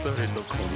この